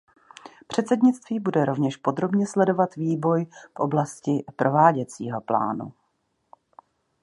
Předsednictví bude rovněž podrobně sledovat vývoj v oblasti prováděcího plánu.